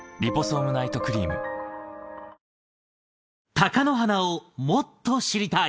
貴乃花をもっと知りたい。